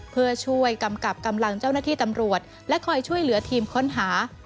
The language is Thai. เพื่อช่วยกำกับกำลังเจ้าหน้าที่ตำรวจและคอยช่วยเหลือทีมค้นหา